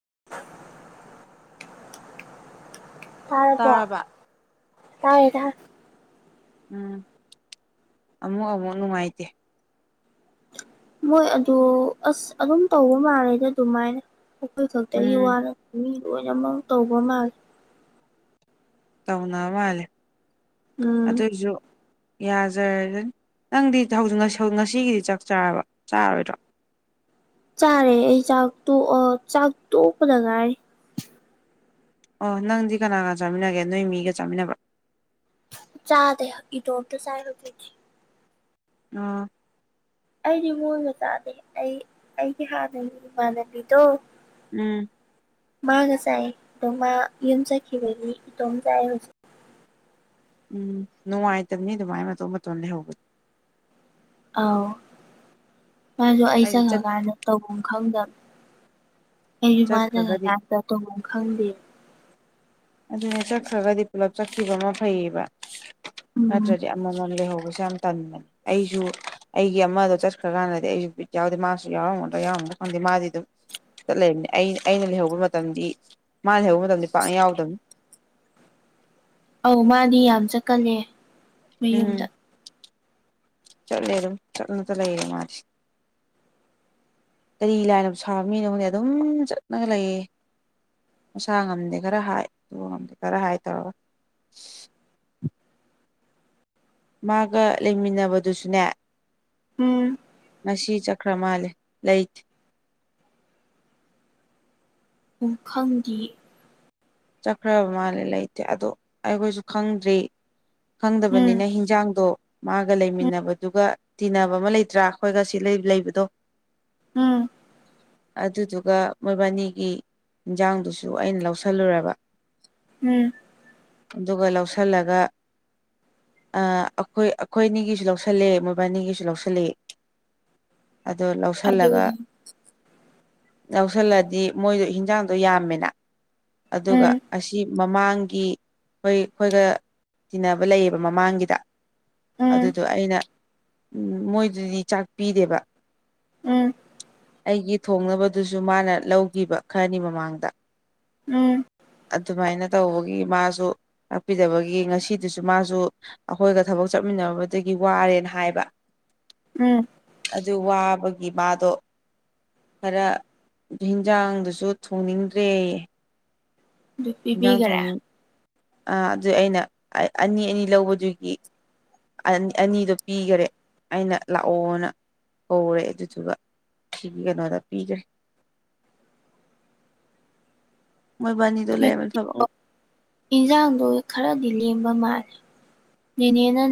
[inaudible] ꯇꯥꯔꯕꯣ ꯇꯥꯔꯕ ꯇꯥꯏꯦꯗ ꯎꯝ ꯑꯃꯨꯛ ꯑꯃꯨꯛ ꯅꯨꯡꯉꯥꯏꯇꯦ ꯃꯣꯏ ꯑꯗꯨ ꯑꯁ ꯑꯗꯨꯝ ꯇꯧꯕ ꯃꯥꯂꯦꯗ ꯑꯗꯨꯃꯥꯏꯅ ꯑꯩꯈꯣꯏ ꯈꯛꯇꯒꯤ ꯋꯥ ꯎꯝ ꯅꯠꯇꯦ ꯃꯤ ꯂꯣꯏꯅꯃꯛ ꯇꯧꯕ ꯃꯥꯜꯂꯤ ꯇꯧꯅꯕ ꯃꯥꯜꯂꯦ ꯎꯝ ꯑꯗꯨꯏꯁꯨ ꯌꯥꯖꯔꯅꯤ ꯅꯪꯗꯤ ꯍꯧꯖꯤꯛ ꯉꯁꯤꯒꯤꯗꯤ ꯆꯥꯛ ꯆꯥꯔꯕ ꯆꯥꯔꯣꯏꯗ꯭ꯔꯣ [inaudible] ꯆꯥꯔꯦ ꯑꯩ ꯆꯥꯛꯇꯣ ꯑ ꯆꯥꯛ ꯇꯣꯛꯄꯗ ꯉꯥꯏꯔꯤ ꯑꯣ ꯅꯪꯗꯤ ꯀꯅꯥ ꯀꯅꯥ ꯆꯥꯃꯤꯟꯅꯒꯦ ꯅꯣꯏ ꯃꯤꯒ ꯆꯥꯃꯤꯟꯅꯕꯔꯣ ꯆꯥꯗꯦ ꯏꯇꯣꯝꯗ ꯆꯥꯏ ꯍꯧꯖꯤꯛ ꯇꯤ ꯑꯣ ꯑꯩꯗꯤ ꯃꯣꯏꯒ ꯆꯥꯥꯗꯦ ꯑꯩ ꯑꯩꯒꯤ ꯍꯥꯟꯅꯒꯤ ꯏꯃꯥꯟꯅꯕꯤꯗꯣ ꯎꯝ ꯃꯥ ꯉꯥꯁꯥꯏ ꯇꯣ ꯃꯥ ꯌꯨꯝ ꯆꯠꯈꯤꯕꯒꯤ ꯏꯇꯣꯝ ꯆꯥꯏ ꯍꯧꯖꯤꯛ ꯎꯝ ꯅꯨꯡꯉꯥꯏꯇꯕꯅꯤ ꯑꯗꯨꯃꯥꯏꯅ ꯃꯇꯣꯝ ꯃꯇꯣꯝ ꯂꯩꯍꯧꯕꯗꯣ ꯑꯥꯎ ꯃꯥꯁꯨ ꯑꯩ ꯑꯩꯗꯤ ꯆꯠ ꯆꯪꯉꯀꯥꯟꯗ ꯇꯧꯐꯝ ꯈꯪꯗꯕ ꯆꯠꯈ꯭ꯔꯒꯗꯤ ꯑꯩꯁꯨꯃꯥꯟꯖꯉꯀꯥꯟꯗ ꯇꯧ ꯈꯪꯗꯦ ꯑꯗꯨꯅ ꯆꯠꯈ꯭ꯔꯒꯗꯤ ꯄꯨꯂꯞ ꯆꯠꯈꯤꯕ ꯑꯃ ꯐꯩꯌꯦꯕ ꯎꯝ ꯅꯠꯇ꯭ꯔꯗꯤ ꯑꯃꯃꯝ ꯂꯩꯍꯧꯕ ꯌꯥꯝ ꯇꯟꯕꯅꯦ ꯑꯩꯁꯨ ꯑꯩꯒꯤ ꯑꯃꯗꯣ ꯆꯠꯈ꯭ꯔꯀꯥꯟꯗꯗꯤ ꯑꯩꯁꯨ ꯕꯤꯠ ꯌꯥꯎꯗꯦ ꯃꯥꯁꯨ ꯌꯥꯎꯔꯝꯒꯗ ꯌꯥꯎꯔꯝ ꯪꯗꯦ ꯃꯥꯗꯤ ꯑꯗꯨꯝ ꯆꯂꯕ ꯑꯩꯅ ꯂꯩꯍꯧꯕ ꯃꯇꯝ ꯃꯥꯅ ꯂꯩꯍꯧꯕ ꯄꯥ ꯌꯥꯎꯗꯅꯤ ꯑꯧ ꯃꯥꯅꯤ ꯌꯥꯝ ꯆꯠꯀꯂꯦ ꯃꯌꯨꯝꯗ ꯆꯂꯔꯣ ꯆꯠꯅ ꯆꯂ ꯏꯔ ꯃꯥꯁꯤ ꯀꯔꯤ ꯂꯥꯏꯅ ꯁꯥꯕ ꯃꯤꯅꯣꯉꯣꯟꯗꯤ ꯑꯗꯨꯝ ꯆꯠꯅꯒ ꯂꯩꯌꯦ ꯃꯁꯥ ꯉꯝꯗꯦ ꯈꯔ ꯍꯥꯏ ꯑꯗꯨ ꯉꯝꯗꯦ ꯈꯔ ꯍꯥꯏ ꯇꯧꯔꯒ ꯃꯥꯒ ꯂꯩꯃꯤꯟꯅꯕꯗꯨꯁꯨꯅꯦ ꯎꯝ ꯉꯁꯤ ꯀ꯭ꯔꯃꯂ ꯂꯥꯏꯠ ꯄꯨꯡꯈꯪꯒꯤ ꯆꯠꯈ꯭ꯔꯕ ꯃꯥꯜꯂꯦ ꯂꯩꯇꯦ ꯑꯗꯣ ꯑꯩꯈꯣꯏꯁꯨ ꯈꯪꯗ꯭ꯔꯤ ꯎꯝ ꯈꯪꯗꯕꯅꯤꯅ ꯍꯤꯟꯖꯥꯡꯗꯣ ꯃꯥꯒ ꯎꯝ ꯂꯩꯃꯤꯟꯅꯕꯗꯨꯒ ꯇꯤꯟꯅꯕ ꯑꯃ ꯂꯩꯇ꯭ꯔꯥ ꯑꯩꯈꯣꯏꯒ ꯁꯤ ꯂꯩꯕꯗꯣ ꯎꯝ ꯑꯗꯨꯗꯨꯒ ꯃꯣꯏꯕꯥꯅꯤꯒꯤ ꯏꯟꯖꯥꯡꯗꯨꯁꯨ ꯑꯩꯅ ꯂꯧꯁꯜꯂꯨꯔꯕ ꯎꯝ ꯑꯗꯨꯒ ꯂꯧꯁꯤꯜꯂꯒ ꯑꯩꯈꯣꯏ ꯑꯩꯈꯣꯏ ꯑꯅꯤꯒꯤꯁꯨ ꯂꯧꯁꯤꯜꯂꯦ ꯃꯣꯏꯕꯥꯅꯤꯒꯤꯁꯨ ꯂꯧꯁꯜꯂꯑꯦ ꯑꯗꯨ ꯂꯧꯁꯤꯜꯂꯒ ꯑꯗꯨꯒ ꯌꯥꯧꯁꯜꯂꯗꯤ ꯃꯣꯏꯗꯣ ꯍꯤꯟꯖꯥꯡꯗꯣ ꯌꯥꯝꯃꯦꯅ ꯑꯗꯨꯒ ꯎꯝ ꯑꯁꯤ ꯃꯃꯥꯡꯒꯤ ꯍꯣꯏ ꯑꯩꯈꯣꯏꯒ ꯇꯤꯟꯅꯕ ꯂꯩꯌꯦꯕ ꯃꯃꯥꯡꯒꯤꯗ ꯎꯝ ꯑꯗꯨꯗꯣ ꯑꯩꯅ ꯃꯣꯏꯗꯨꯗꯤ ꯆꯥꯛ ꯄꯤꯗꯦꯕ ꯎꯝ ꯑꯩꯒꯤ ꯊꯣꯡꯅꯕꯗꯨꯁꯨ ꯃꯥꯅ ꯂꯧꯈꯤꯕ ꯈꯔꯅꯤ ꯃꯃꯥꯡꯗ ꯎꯝ ꯑꯗꯨꯃꯥꯏꯅ ꯇꯧꯕꯒꯤ ꯃꯥꯁꯨ ꯇꯥꯛꯄꯤꯗꯕꯒꯤ ꯉꯁꯤꯗꯨꯁꯨ ꯃꯥꯁꯨ ꯑꯩꯈꯣꯏꯒ ꯊꯕꯛ ꯆꯠꯃꯤꯟꯅꯕꯗꯒꯤ ꯋꯥꯔꯦꯅ ꯍꯥꯏꯕ ꯎꯝ ꯑꯗꯨ ꯋꯥꯕꯒꯤ ꯃꯥꯗꯣ ꯈꯔ ꯍꯟꯖꯥꯡꯗꯨꯁꯨ ꯊꯣꯡꯅꯤꯡꯗ꯭ꯔꯦ ꯑꯗꯨ ꯄꯤꯕꯤꯈꯔꯦ ꯑ ꯑꯗꯨ ꯑꯩꯅ ꯑꯅꯤ ꯑꯅꯤ ꯂꯧꯕꯗꯨꯒꯤ ꯑꯅꯤꯗꯣ ꯄꯤꯈꯔꯦ ꯑꯩꯅ ꯂꯥꯛꯑꯣꯅ ꯍꯧꯔꯦ ꯑꯗꯨꯗꯨꯒ ꯁꯤꯒꯤ ꯀꯩꯅꯣꯗ ꯄꯤꯈ꯭ꯔꯦ [unintelligible] ꯃꯣꯏꯕꯥꯅꯤꯗꯣ ꯂꯩꯔꯝꯃꯦ ꯊꯕꯛ ꯏꯟꯁꯥꯡꯗꯣ ꯈꯔꯗꯤ ꯂꯦꯝꯕ ꯃꯥꯜꯂꯦ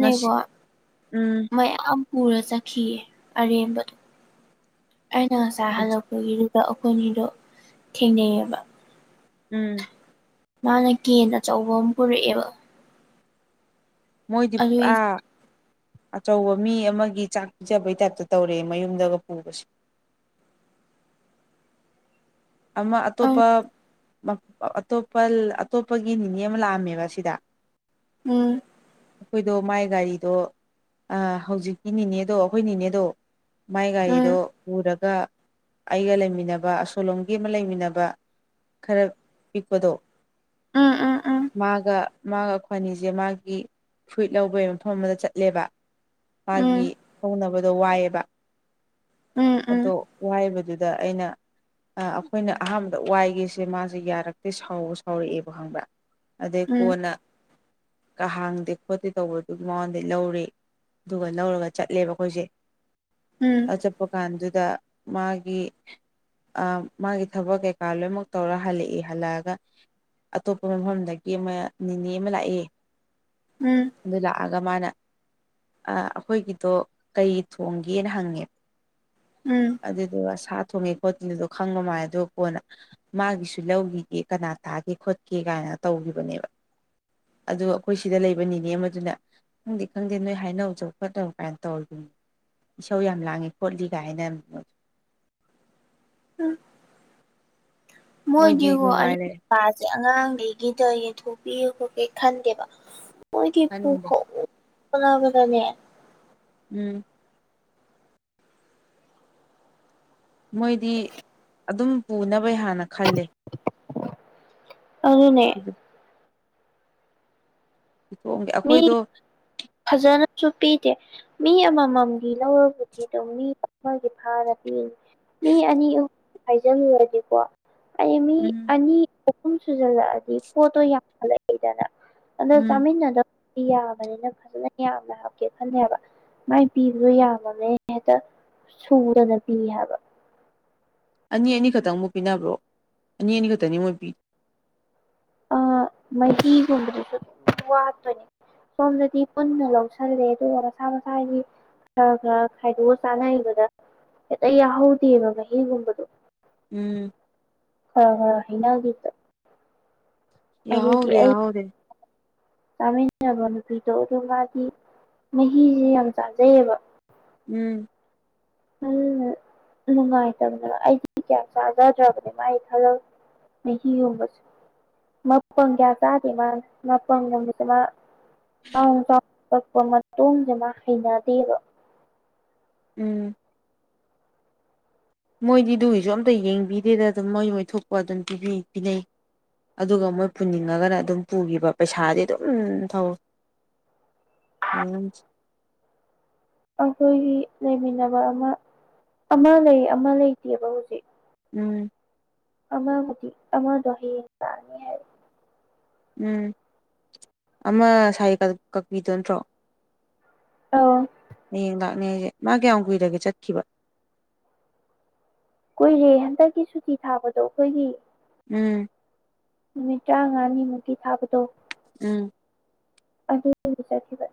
ꯉꯁꯤ ꯎꯝ ꯃꯌꯥꯝ ꯄꯨꯔ ꯆꯠꯈꯤꯌꯦ ꯑꯔꯦꯝꯕꯗꯣ ꯑꯩꯅ ꯉꯁꯥꯏ ꯍꯜꯂꯛꯄꯒꯤ ꯑꯩꯈꯣꯏꯅꯤꯗꯣ ꯊꯦꯡꯅꯩꯌꯦꯕ ꯎꯝ ꯃꯥꯅ ꯀꯦꯟ ꯑꯆꯧꯕ ꯑꯃ ꯄꯨꯔꯛꯑꯦꯕ ꯃꯣꯏꯗꯤ ꯑꯗꯨ ꯑꯆꯧꯕ ꯃꯤ ꯑꯃꯒꯤ ꯆꯥꯛ ꯄꯤꯖꯕꯩ ꯇꯥꯏꯞꯇ ꯇꯧꯔꯦ ꯃꯌꯨꯝꯗꯒ ꯄꯨꯕꯁꯦ [unintelligible] ꯑꯃ ꯎꯝ ꯑꯇꯣꯞꯄ ꯑꯇꯣꯞꯄ ꯑꯇꯣꯞꯄꯒꯤ ꯅꯤꯅꯦ ꯑꯃ ꯂꯥꯛꯑꯝꯃꯦꯕ ꯁꯤꯗ ꯎꯝ ꯑꯩꯈꯣꯏꯗꯣ ꯃꯥꯏ ꯒꯥꯔꯤꯗꯣ ꯍꯧꯖꯤꯛꯀꯤꯅꯦꯅꯦꯗꯣ ꯑꯩꯈꯣꯏꯅꯦꯅꯦꯗꯣ ꯃꯥꯏ ꯎꯝ ꯒꯥꯔꯤꯗꯣ ꯄꯨꯔꯒ ꯑꯩꯒ ꯂꯩꯃꯤꯟꯅꯕ ꯑꯁꯣꯂꯣꯝ ꯒꯤ ꯑꯃ ꯂꯩꯃꯤꯟꯅꯕ ꯈꯔ ꯄꯤꯛꯄꯗꯣ ꯎꯝ ꯎꯝ ꯃꯥꯒ ꯃꯥꯒ ꯑꯩ ꯈ꯭ꯣꯏꯋꯥꯅꯤꯁꯦ ꯃꯥꯒꯤ ꯐꯨꯏꯠ ꯂꯧꯕꯒꯤ ꯃꯐꯝ ꯑꯃꯗ ꯆꯠꯂꯦꯕ ꯎꯝ ꯃꯥꯒꯤ ꯍꯧꯅꯕꯗꯣ ꯋꯥꯏꯑꯕ ꯎꯝ ꯎꯝ ꯑꯗꯣ ꯋꯥꯏꯕꯗ ꯑꯗꯨꯗ ꯑꯩꯅ ꯑꯩꯈꯣꯏꯅ ꯑꯍꯥꯟꯕꯗ ꯋꯥꯏꯒꯁꯦ ꯃꯥꯁꯦ ꯌꯥꯔꯛꯇꯦ ꯁꯥꯎꯕ ꯁꯥꯎꯔꯛꯑꯦꯕ ꯈꯪꯕ꯭ꯔꯥ ꯑꯗꯩ ꯎꯝ ꯀꯣꯟꯅ ꯀ ꯍꯥꯡꯗꯦ ꯈꯣꯠꯇꯦ ꯇꯧꯕꯗꯨꯒꯤ ꯃꯉꯣꯟꯗ ꯂꯧꯔꯤ ꯑꯗꯨꯒ ꯂꯧꯔꯒ ꯆꯠꯂꯦꯕ ꯑꯩꯈꯣꯏꯁꯦ ꯎꯝ ꯎꯝ ꯆꯠꯄ ꯀꯥꯟꯗꯨꯗ ꯃꯥꯒꯤ ꯃꯥꯒꯤ ꯊꯕꯛ ꯀꯩꯀꯥ ꯂꯣꯏꯅꯃꯛ ꯇꯧꯔ ꯍꯜꯂꯛꯏ ꯍꯜꯂꯛꯑꯒ ꯑꯇꯣꯞꯄ ꯃꯐꯝꯗꯒꯤ ꯑꯃ ꯅꯤꯅꯦ ꯑꯃ ꯂꯥꯛꯑꯦ ꯎꯝ ꯒ ꯃꯥꯅ ꯑꯩꯈꯣꯏꯒꯤꯗꯣ ꯀꯩ ꯊꯣꯡꯒꯦꯅ ꯍꯪꯉꯦꯕ ꯎꯝ ꯑꯗꯨꯗꯨ ꯑꯁꯥ ꯊꯣꯡꯉꯦ ꯍꯣꯠꯦꯜꯗꯣ ꯈꯪꯕ ꯃꯥꯜꯗ ꯀꯣꯟꯅ ꯃꯥꯒꯤꯁꯨ ꯂꯧꯈꯤꯒꯦ ꯀꯅꯥ ꯇꯥꯒꯦ ꯈꯣꯠꯀꯦ ꯀꯥꯏꯅ ꯇꯧꯕ ꯕꯅꯦꯕ ꯑꯗꯨ ꯑꯩꯈꯣꯏ ꯁꯤꯗ ꯂꯩꯕꯅꯤꯅꯦ ꯑꯃꯗꯨꯅ ꯈꯪꯗꯦ ꯈꯪꯗꯦ ꯅꯣꯏ ꯍꯥꯏꯅꯧꯁꯨꯧ ꯐꯠꯅꯧ ꯀꯥꯏꯅ ꯇꯧꯔꯤꯕꯅꯤ ꯏꯁꯧ ꯌꯥꯝ ꯂꯥꯡꯉꯤ ꯈꯣꯠꯂꯤ ꯀꯥꯏꯅ ꯎꯝ ꯃꯣꯏꯗꯤ ꯍ ꯑ ꯑꯉꯥꯡꯈꯩꯒꯤꯗ ꯌꯦꯟꯊꯣꯛꯄꯤꯕ ꯀꯩ ꯈꯟꯗꯦꯕ ꯃꯣꯏꯒꯤ ꯈꯟꯗꯦ ꯄꯨꯈꯅꯥꯕꯗꯅꯦ ꯎꯝ ꯃꯣꯏꯗꯤ ꯑꯗꯨꯝ ꯄꯨꯅꯕꯩ ꯍꯥꯟꯅ ꯈꯜꯂꯦ ꯑꯗꯨꯅꯦ ꯣꯡꯒꯦ ꯑꯩꯈꯣꯏꯗꯣ ꯁꯨ ꯄꯤꯗꯦ ꯃꯤ ꯑꯃꯃꯝꯗꯤ ꯂꯧꯔꯕꯨꯗꯤꯤꯗꯣ ꯃꯤ ꯑꯃꯒꯤ ꯐꯥꯔ ꯄꯤꯅꯤ ꯃꯤ ꯑꯅꯤ ꯑꯍꯨꯝ ꯍꯥꯏꯖꯂꯨꯔꯗꯤꯀꯣ ꯑꯩ ꯃꯤ ꯎꯝ ꯑꯅꯤ ꯑꯍꯨꯝ ꯁꯨꯖꯜꯂꯛꯑꯗꯤ ꯄꯣꯠꯇꯣ ꯌꯥꯝ ꯂꯩꯗꯅ ꯑꯗ ꯎꯝ ꯆꯥꯃꯤꯟꯅꯗꯕ ꯌꯥꯕꯅꯤꯅ ꯐꯖꯅ ꯌꯥꯝꯅ ꯍꯥꯞꯀꯦ ꯈꯜꯂꯦꯕ ꯃꯥꯏ ꯄꯤꯕꯗꯣ ꯌꯥꯝꯃꯃꯦ ꯍꯦꯛꯇ ꯁꯨꯗꯅ ꯄꯤ ꯍꯥꯏꯕ ꯑꯅꯤ ꯑꯅꯤꯈꯛꯇꯪ ꯑꯃꯨꯛ ꯄꯤꯅꯕ꯭ꯔꯣ ꯑꯅꯤ ꯑꯅꯤꯈꯛꯇꯪꯅꯤ ꯃꯣꯏ ꯄꯤ ꯃꯍꯒꯨꯝꯗꯔꯤꯁꯨ ꯋꯥꯄꯅꯤ ꯁꯣꯝꯗꯗꯤ ꯄꯨꯟꯅ ꯂꯧꯁꯤꯜꯂꯦ ꯑꯗꯨꯒ ꯃꯁꯥ ꯃꯁꯥꯒꯤ ꯈꯔ ꯈꯔ ꯈꯥꯏꯗꯣꯛꯑ ꯆꯥꯅꯩꯕꯗ ꯍꯦꯛꯇ ꯌꯥꯍꯧꯗꯦꯕ ꯃꯍꯤꯒꯨꯝꯕꯗꯣ ꯎꯝ ꯑ ꯍꯩꯅꯒꯤꯗ ꯌꯥꯎꯔꯤꯦ ꯌꯥꯎꯔꯤꯦ ꯆꯥꯃꯤꯟꯅꯕ ꯅꯨꯄꯤꯗꯣ ꯑꯗꯨ ꯃꯥꯗꯤ ꯃꯍꯤꯁꯦ ꯌꯥꯝ ꯆꯥꯖꯩꯌꯦꯕ ꯎꯝ ꯅꯨꯡꯉꯥꯏꯇꯕꯅꯤꯅ ꯑꯩꯗꯤ ꯀꯌꯥ ꯆꯥꯖꯗ꯭ꯔꯕꯅꯤ ꯃꯥ ꯑꯩ ꯈꯜꯂꯦ ꯃꯤꯒꯤ ꯎꯕꯁ ꯃꯄꯪ ꯀꯌꯥ ꯀꯥꯗꯤ ꯃꯥ ꯃꯄꯪ ꯅꯨꯃꯤꯠꯇ ꯃꯥ ꯆꯥꯎ ꯆꯥꯎꯅ ꯀꯛꯄ ꯃꯇꯨꯡꯗꯅ ꯍꯩꯅꯗꯦꯕ ꯎꯝ ꯃꯣꯏꯗꯤ ꯑꯗꯨꯒꯤꯁꯨ ꯑꯝꯇ ꯌꯦꯡꯕꯤꯗꯦꯗ ꯑꯗꯨꯝ ꯃꯣꯏ ꯃꯣꯏ ꯊꯣꯛꯄ ꯑꯗꯨꯝ ꯄꯤꯅꯩ ꯑꯗꯨꯒ ꯃꯣꯏ ꯄꯨꯅꯤꯡꯉꯒꯅ ꯑꯗꯨꯝ ꯄꯨꯈꯤꯕ ꯄꯩꯁꯥꯗꯤ ꯑꯗꯨꯝ ꯊꯧꯋ ꯑꯩꯈꯣꯏꯒꯤ ꯂꯩꯃꯤꯟꯅꯕ ꯑꯃ ꯑꯃ ꯂꯩ ꯑꯃ ꯂꯩꯇꯦꯕ ꯍꯧꯖꯤꯛ ꯎꯝ ꯑꯥ ꯍꯧꯗꯤ ꯑꯃꯥ ꯗꯍꯤꯦ ꯍꯥꯏ ꯎꯝ ꯑꯃ ꯁꯥꯏ ꯀꯛꯄꯤꯗꯣ ꯅꯠꯇ꯭ꯔꯣ ꯑ ꯌꯦ ꯅꯦꯁꯦ ꯃꯥ ꯀꯌꯥꯝ ꯀꯨꯏꯔꯒꯦ ꯆꯠꯈꯤꯕ ꯀꯨꯏꯔꯦ ꯍꯟꯗꯛꯀꯤ ꯁꯨꯇꯤ ꯊꯥꯕꯗꯣ ꯑꯩꯈꯣꯏꯒꯤ ꯎꯝ ꯅꯨꯃꯤꯠ ꯇꯔꯥꯃꯉꯥꯅꯤꯃꯨꯛꯇꯤ ꯊꯥꯕꯗꯣ ꯎꯝ ꯑꯗꯨ ꯆ ꯊ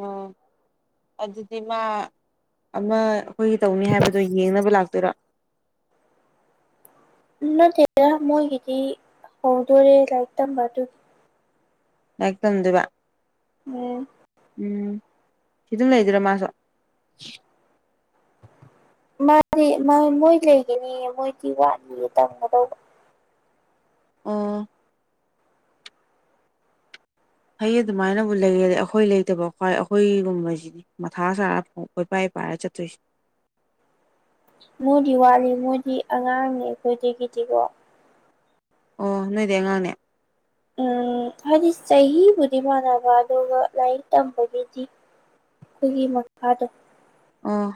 ꯑꯣ ꯑꯗꯨꯗꯤꯤꯃ ꯑꯃ ꯑꯩꯈꯣꯏꯒꯤ ꯇꯧꯅꯤ ꯍꯥꯏꯕꯗꯣ ꯌꯦꯡꯅꯕ ꯂꯥꯛꯇꯣꯏꯔꯥ ꯅꯠꯇꯦꯗ ꯃꯣꯏꯒꯤꯗꯤ ꯍꯧꯣꯡꯗꯣꯔꯦ ꯂꯥꯏꯔꯤꯛ ꯇꯝꯕ ꯑꯗꯨꯒꯤ ꯌꯥ ꯇꯝꯗꯨꯕ ꯎꯝ ꯎꯝ ꯁꯤ ꯑꯗꯨꯝ ꯂꯩꯗ꯭ꯔꯥ ꯃꯥꯁꯨ ꯃꯥꯗꯤ ꯃꯣꯏ ꯂꯩꯒꯅꯤ ꯃꯣꯏꯗꯤ ꯋꯥꯠꯂꯤꯌꯦ ꯇꯝꯒꯗꯧꯕ ꯑ ꯍꯩ ꯑꯗꯨꯃꯥꯏꯅꯕꯨ ꯂꯩꯒꯗꯤ ꯑꯩꯈꯣꯏ ꯂꯩꯇꯕ ꯈ꯭ꯋꯥꯏ ꯑꯩꯈꯣꯏꯒꯨꯝꯕꯁꯤꯗꯤ ꯃꯊꯥ ꯁꯥꯥꯔ ꯐ ꯀꯄꯥꯏ ꯄꯔ ꯆꯠꯇꯔꯤ ꯃꯣꯏꯗꯤ ꯋꯥꯠꯂꯤ ꯃꯣꯏꯗꯤ ꯑꯉꯥꯡꯅꯤ ꯑꯩꯈꯣꯏꯗꯒꯤꯗꯤꯀꯣ ꯑꯣ ꯅꯣꯏꯗ ꯉꯉꯥꯡꯅꯦ ꯎꯝ ꯍꯥꯏꯗꯤ ꯆꯍꯤꯕꯨꯗꯤ ꯃꯥꯟꯅꯕ ꯑꯗꯨꯒ ꯂꯥꯏꯔꯤꯛ ꯇꯝꯕꯒꯤꯗꯤ ꯇꯒꯤ ꯃꯥꯗ ꯑꯥ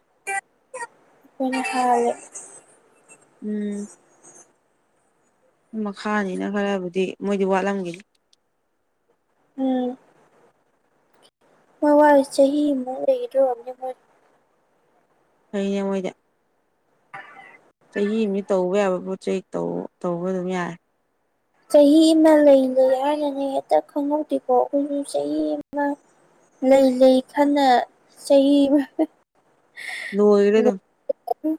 ꯅ ꯍꯂꯦ ꯎꯝ ꯃꯈꯥꯅꯤꯅ ꯈꯔꯕꯨꯗꯤ ꯃꯣꯏꯗꯤ ꯋꯥꯠꯂꯝꯒꯅꯤ ꯎꯝ ꯃꯣꯏ ꯋꯥꯔꯤ ꯆꯍꯤ ꯑꯃ ꯂꯩꯒꯗꯕꯅꯤ ꯃꯣꯏ ꯀꯅꯦ ꯃꯣꯏꯗ ꯆꯍꯤ ꯑꯃ ꯇꯧꯕ ꯌꯥꯕ ꯄꯣꯠ ꯆꯩ ꯇꯧꯕ ꯑꯗꯨꯝ ꯌꯥꯔꯦ ꯆꯍꯤ ꯑꯃ ꯂꯩꯗ ꯍꯥꯏꯅꯅꯦ ꯍꯦꯛꯇ ꯈꯪꯍꯧꯗꯦꯀꯣ ꯎ ꯆꯍꯤ ꯑꯃ ꯂꯩ ꯂꯩ ꯈꯅ ꯆꯍꯤ ꯂ ꯏꯔꯗ ꯎꯝ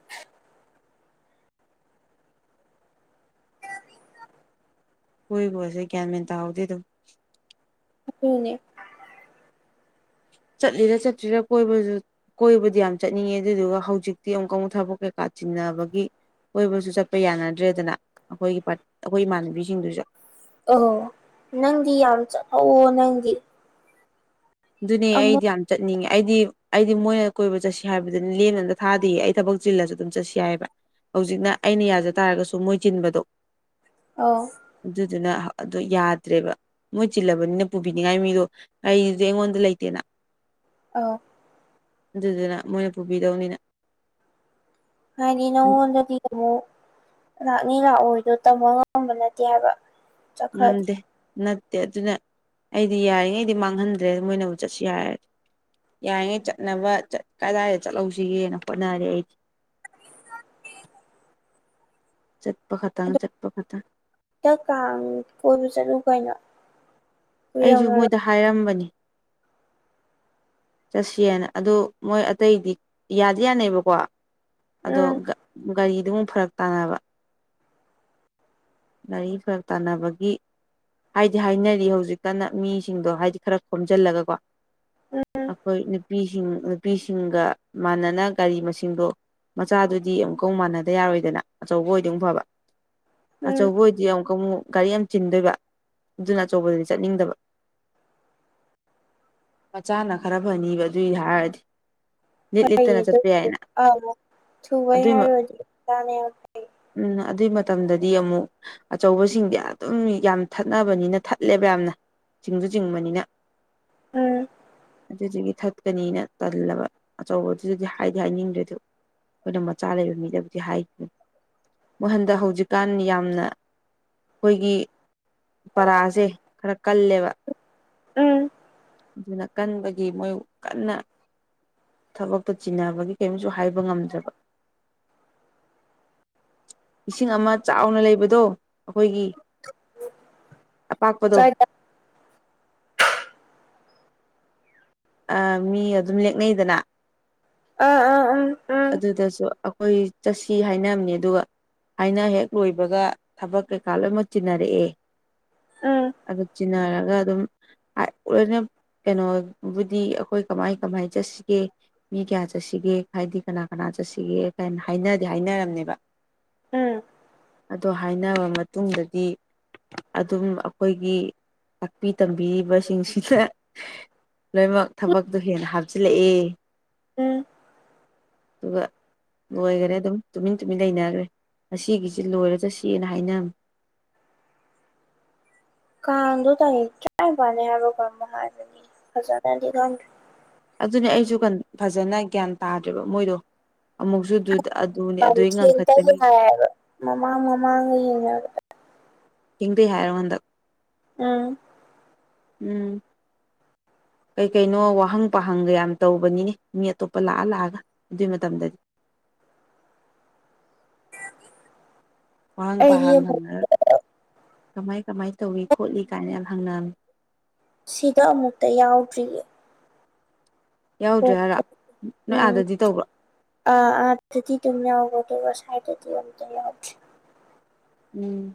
ꯍꯣꯏ ꯀꯁꯦ ꯀꯌꯥꯃꯤꯦꯟꯇꯗꯗ ꯎꯅꯦ ꯆꯠꯂꯤꯔ ꯆꯠꯇ꯭ꯔꯤꯔꯥ ꯀꯣꯏꯕꯁꯨ ꯀꯣꯏꯕꯗꯤ ꯌꯥꯝ ꯆꯠꯅꯤꯡꯉꯦ ꯑꯗꯨꯗꯨꯒ ꯍꯧꯖꯤꯛꯇꯤ ꯑꯃꯨꯛꯀꯨ ꯊꯕꯛ ꯀꯩꯀꯥ ꯆꯤꯟꯅꯕꯒꯤ ꯀꯣꯏꯕꯁꯨ ꯆꯠꯄ ꯌꯥꯅꯗ꯭ꯔꯦꯗꯅ ꯑꯩꯈꯣꯏꯒꯤ ꯑꯩꯈꯣꯏ ꯏꯃꯥꯟꯅꯕꯤꯁꯤꯡꯗꯨꯁꯨ ꯑ ꯅꯗꯤ ꯌꯥꯝ ꯑ ꯅꯗꯤ ꯑꯗꯨꯅꯦ ꯑꯩꯗꯤ ꯌꯥꯝ ꯆꯠꯅꯤꯡꯉꯦ ꯑꯩꯗꯤ ꯑꯩꯗꯤ ꯃꯣꯏꯅ ꯀꯣꯏꯕ ꯆꯠꯁꯤ ꯍꯥꯏꯕꯗꯨꯅꯤ ꯂꯦꯝꯕꯝꯇ ꯊꯥꯗꯌꯦ ꯑꯩ ꯊꯕꯛ ꯆꯤꯜꯂꯁꯨ ꯑꯗꯨꯝ ꯆꯠꯁꯤ ꯍꯥꯏꯕ ꯍꯧꯖꯤꯛꯅ ꯑꯩꯅ ꯌꯥꯖ ꯇꯥꯔꯒꯁꯨ ꯃꯣꯏ ꯆꯤꯟꯕꯗꯣ ꯑꯧ ꯑꯗꯨꯗꯨꯅ ꯑꯗꯣ ꯌꯥꯗ꯭ꯔꯦꯕ ꯃꯣꯏ ꯆꯤꯜꯂꯕꯅꯤꯅ ꯄꯨꯕꯤꯅꯤꯡꯉꯥꯏ ꯃꯤꯗꯣ ꯀ ꯍꯧꯖꯤꯛ ꯑꯩꯉꯣꯟꯗ ꯂꯩꯇꯦꯅ ꯑ ꯑꯗꯨꯗꯨꯅ ꯃꯣꯏꯅ ꯄꯨꯕꯤꯗꯧꯅꯤꯅ ꯍꯥꯏꯅꯤꯅꯗꯤꯣ ꯂꯥꯛꯅꯤ ꯂꯥꯛꯑꯣꯔꯤꯗꯣ ꯇꯝꯃꯣ ꯉꯝꯕ ꯅꯠꯇꯦ ꯍꯥꯏꯕ ꯆꯠꯈ꯭ꯔꯗꯤ ꯉꯝꯗꯦ ꯅ ꯅꯠꯇꯦ ꯑꯗꯨꯅ ꯑꯩꯗꯤ ꯌꯥꯔꯤꯉꯩꯗꯤ ꯃꯥꯡꯍꯟꯗ꯭ꯔꯦ ꯃꯣꯏꯅꯨꯛ ꯆꯠꯁꯨ ꯌꯥꯔꯗꯤ ꯌꯥꯔꯤꯉ ꯆꯠꯅꯕ ꯀꯗꯥꯏꯗ ꯆꯠꯍꯧꯁꯤꯒꯦꯅ ꯍꯣꯠꯅꯔꯦ ꯑꯩꯁ [unintelligible] ꯈꯛꯇꯪ ꯍꯛꯇ ꯀꯥꯡ ꯀꯣꯏꯔꯨ ꯆꯠꯂꯨ ꯀꯩꯅꯣ ꯑꯩꯁꯨ ꯃꯣꯏꯗ ꯀꯨꯏꯔꯝꯃꯔꯣꯏ ꯍꯥꯏꯔꯝꯕꯅꯤ ꯆꯠꯁꯤꯦꯅ ꯑꯗꯨ ꯃꯣꯏ ꯑꯇꯩꯗꯤ ꯌꯥꯗꯤ ꯌꯥꯅꯕꯀꯣ ꯑꯗꯣ ꯎꯝ ꯒꯥꯔꯤꯗꯨꯃꯨꯛ ꯐꯔꯛ ꯇꯥꯅꯕ ꯂꯥꯏꯔꯤ ꯈꯔ ꯇꯥꯟꯅꯕꯒꯤ ꯍꯥꯏꯗꯤ ꯍꯥꯏꯅꯔꯤ ꯍꯧꯖꯤꯛꯇꯅ ꯃꯤꯁꯤꯡꯗꯣ ꯍꯥꯏꯗꯤ ꯈꯔ ꯈꯣꯝꯖꯤꯜꯂꯒꯀꯣ ꯎꯝ ꯑꯩꯈꯣꯏ ꯅꯨꯄꯤꯁꯤꯡ ꯅꯨꯄꯤꯁꯤꯡꯒ ꯃꯥꯟꯅꯅ ꯒꯥꯔꯤ ꯃꯁꯤꯡꯗꯣ ꯃꯆꯥꯗꯨꯗꯤ ꯑꯃꯨꯛꯀꯥꯎ ꯃꯥꯟꯅꯗ ꯌꯥꯔꯣꯏꯗꯅ ꯑꯆꯧꯕ ꯑꯣꯏꯗꯤꯧ ꯐꯕ ꯎꯝ ꯑꯆꯧꯕ ꯑꯣꯏꯗꯤ ꯑꯃꯨꯛ ꯀꯉꯨꯛ ꯒꯥꯔꯤ ꯌꯥꯝ ꯆꯤꯟꯗꯣꯏꯕ ꯑꯗꯨꯅ ꯑꯆꯧꯕꯗꯨꯗꯤ ꯆꯠꯅꯤꯡꯗꯕ ꯃꯆꯥꯅ ꯈꯔ ꯐꯅꯤꯕ ꯑꯗꯨ ꯍꯥꯏꯔꯗꯤ ꯂꯤꯠ ꯍꯥꯏ ꯂꯤꯠꯇꯅ ꯆꯠꯄ ꯌꯥꯏꯅ ꯑ ꯊꯕꯩ ꯑꯗꯨꯏ ꯍꯥꯏꯔ ꯇꯅꯦꯩ ꯎꯝ ꯑꯗꯨꯏ ꯃꯇꯝꯗꯗꯤ ꯑꯃꯨꯛ ꯑꯆꯧꯕꯁꯤꯡꯗꯤ ꯑꯗꯨꯝ ꯌꯥꯝ ꯊꯠꯅꯕꯅꯤꯅ ꯊꯠꯂꯦꯕ ꯌꯥꯝꯅ ꯆꯤꯡꯁꯨ ꯆꯤꯡꯕꯅꯤꯅ ꯎꯝ ꯑꯗꯨꯗꯒꯤ ꯊꯠꯀꯅꯤꯅ ꯇꯜꯂꯕ ꯑꯆꯧꯕꯗꯨꯗꯗꯤ ꯍꯥꯏꯗꯤ ꯍꯥꯏꯅꯤꯡꯗ꯭ꯔꯦꯗꯨ ꯑꯩꯈꯣꯏꯅ ꯃꯆꯥ ꯂꯩꯕ ꯃꯤꯗꯕꯨꯗꯤ ꯍꯥꯏꯗꯦ ꯃꯍꯟꯗ ꯍꯧꯖꯤꯛꯀꯥꯟ ꯌꯥꯝꯅ ꯑꯩꯈꯣꯏꯒꯤ ꯄꯔꯥꯁꯦ ꯈꯔ ꯀꯜꯂꯦꯕ ꯎꯝ ꯑꯗꯨꯅ ꯀꯟꯕꯒꯤ ꯃꯣꯏ ꯀꯟꯅ ꯊꯕꯛꯇꯣ ꯆꯤꯟꯅꯕꯒꯤ ꯀꯔꯤꯝꯁꯨ ꯍꯥꯏꯕ ꯉꯝꯗ꯭ꯔꯕ ꯏꯁꯤꯡ ꯑꯃ ꯆꯥꯎꯅ ꯂꯩꯕꯗꯣ ꯑꯩꯈꯣꯏꯒꯤ ꯑꯄꯥꯛꯄꯗꯣ ꯀꯥꯏꯗ ꯑ ꯃꯤ ꯑꯗꯨꯝ ꯂꯦꯛꯅꯩꯗꯅ ꯑꯥ ꯑꯥ ꯎꯝ ꯎꯝ ꯑꯗꯨꯗꯁꯨ ꯑꯩꯈꯣꯏ ꯆꯠꯁꯤ ꯍꯥꯏꯅꯕꯅꯤ ꯑꯗꯨꯒ ꯍꯥꯏꯅ ꯍꯦꯛ ꯂꯣꯏꯕꯒ ꯊꯕꯛ ꯀꯩꯀꯥ ꯂꯣꯏꯅꯃꯛ ꯆꯤꯟꯅꯔꯛꯑꯦ ꯎꯝ ꯑꯗꯨ ꯆꯤꯟꯅꯔꯒ ꯑꯗꯨꯝ ꯂꯣꯏꯅ ꯀꯩꯅꯣ ꯕꯨꯗꯤ ꯑꯩꯈꯣꯏ ꯀꯃꯥꯏ ꯀꯃꯥꯏ ꯆꯠꯁꯤꯒꯦ ꯃꯤ ꯀꯌꯥ ꯆꯠꯁꯤꯒꯦ ꯍꯥꯏꯗꯤ ꯀꯅꯥ ꯀꯅꯥ ꯆꯠꯁꯤꯒꯦ ꯀ ꯍꯥꯏꯅꯗꯦ ꯍꯥꯏꯅꯔꯝꯅꯦꯕ ꯎꯝ ꯑꯗꯣ ꯍꯥꯏꯔꯕ ꯃꯇꯨꯡꯗꯗꯤ ꯑꯗꯨꯝ ꯑꯩꯈꯣꯏꯒꯤ ꯇꯥꯛꯄꯤ ꯇꯝꯕꯤꯔꯤꯕꯁꯤꯡꯁꯤꯗ ꯂꯣꯏꯅꯃꯛ ꯊꯕꯛꯇꯨ ꯍꯦꯟꯅ ꯍꯥꯞꯆꯤꯜꯂꯛꯑꯦ ꯎꯝ ꯇ ꯂꯣꯏꯈꯔꯦ ꯑꯗꯨꯝ ꯇꯨꯃꯤꯟ ꯇꯨꯃꯤꯟ ꯂꯩꯅꯈ꯭ꯔꯦ ꯑꯁꯤꯒꯤꯒꯤꯁꯤ ꯂꯣꯏꯔꯁꯨ ꯁꯤꯅ ꯍꯥꯏꯅꯔꯝꯃꯤ [unintelligible] ꯀꯥꯟꯗ ꯇ ꯀꯌꯥ ꯄꯅꯦ ꯍꯥꯏꯔ ꯀ ꯍꯥꯔꯅꯤ ꯍꯖꯗꯤꯗ ꯑꯗꯨꯅꯦ ꯑꯩꯁꯨ ꯐꯖꯅ ꯒ꯭ꯌꯥꯟ ꯇꯥꯗ꯭ꯔꯦꯕ ꯃꯣꯏꯗꯣ ꯑꯃꯨꯛꯁꯨ ꯑꯗꯨꯅꯤ ꯑꯗꯨꯏ ꯊꯦꯡ ꯇꯩ ꯉꯟꯈꯠꯀꯅꯤ ꯍꯥꯏꯌꯦꯕ ꯃꯃꯥꯡ ꯃꯃꯥꯡꯒ ꯌꯦꯡꯉ ꯍꯡꯗ ꯍꯥꯏꯔꯣ ꯍꯟꯗꯛ ꯎꯝ ꯎꯝ ꯀꯩ ꯀꯩꯅꯣ ꯋꯥꯍꯪ ꯄꯥꯍꯪꯒ ꯌꯥꯝ ꯇꯧꯕꯅꯤꯅꯦ ꯃꯤ ꯑꯇꯣꯞꯄ ꯂꯥꯛꯑ ꯂꯥꯛꯑꯒ ꯑꯗꯨꯒꯤ ꯃꯇꯝꯗꯗꯤ [unintelligible] ꯋꯥꯥꯡ ꯑꯩꯗꯤ ꯑꯃꯨꯛ ꯄꯃꯦ ꯀꯃꯥꯏ ꯀꯃꯥꯏ ꯇꯧꯏ ꯈꯣꯠꯂꯤ ꯀꯥꯏꯅ ꯍꯪꯅꯃꯤ ꯁꯤꯗ ꯑꯃꯨꯛꯇ ꯌꯥꯎꯗ꯭ꯔꯤꯌꯦ ꯌꯥꯎꯗ꯭ꯔꯦ ꯍꯥꯏꯔ ꯄꯣꯛꯄ ꯅꯣꯏ ꯑꯥꯗꯗꯤ ꯇꯧꯕ꯭ꯔꯣ ꯑ ꯑ ꯊꯗꯤ ꯇꯝ ꯌꯥꯕꯣ ꯇꯕ ꯁꯏꯗꯗꯤ ꯑꯣꯗ ꯌꯥ ꯎꯝ